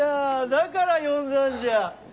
だから呼んだんじゃ。